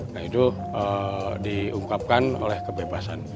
nah itu diungkapkan oleh kebebasan